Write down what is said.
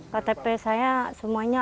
ktp saya semuanya